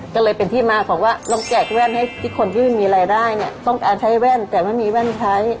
ก็เลยเป็นที่มาของว่าต้องแจกแว่นให้ที่คนที่ไม่มีรายได้เนี่ยต้องการใช้แว่นแต่ไม่มีแว่นใช้